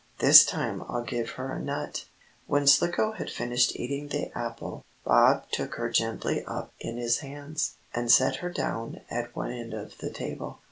This time I'll give her a nut." When Slicko had finished eating the apple, Bob took her gently up in his hands, and set her down at one end of the table.